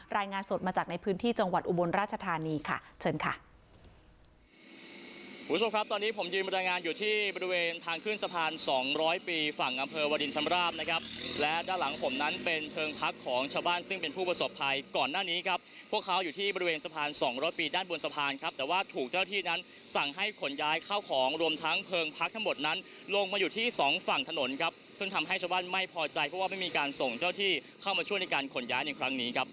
รายงานสดมาจากในพื้นที่จังหวัดอุบลราชธานีค่ะเชิญค่ะ